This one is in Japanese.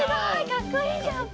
かっこいいジャンプ！